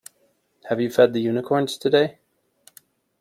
Have you fed the unicorns today?